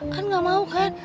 kan enggak mau kan